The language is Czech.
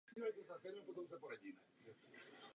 Dále ho rozšířil.